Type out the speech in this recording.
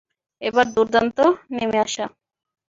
এবার দুর্দান্ত নেমে আসা!